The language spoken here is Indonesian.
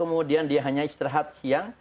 kemudian dia hanya istirahat siang